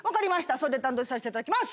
それで段取りさせていただきます。